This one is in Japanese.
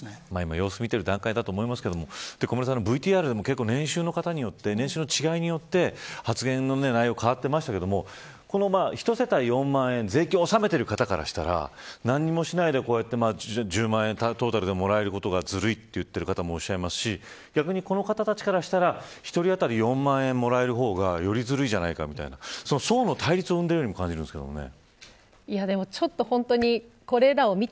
様子を見ている段階だと思いますが小室さん、ＶＴＲでも年収の違いによって発言の内容変わってましたけど１世帯、４万円税金納めている方からしたら何にもしないで１０万円トータルでもらえることがずるいって言っている方もいますし逆に、この方たちからしたら１人当たり４万円もらえる方がよりずるいじゃないかみたいなその層の対立を生んでいるようにも感じるんですけどね。